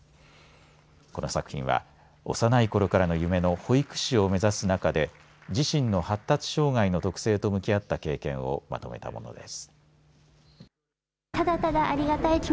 この作品は幼いころからの夢の保育士を目指す中で自身の発達障害の特性と向き合った経験をまとめたものです。